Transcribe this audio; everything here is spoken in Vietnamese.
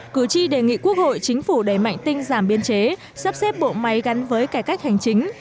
cử tri đề nghị quốc hội chính phủ đẩy mạnh tinh giảm biên chế sắp xếp bộ máy gắn với cải cách hành chính